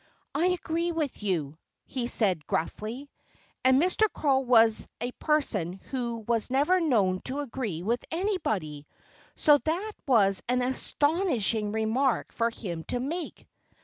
"I agree with you," he said gruffly! And Mr. Crow was a person who was never known to agree with anybody! So that was an astonishing remark for him to make.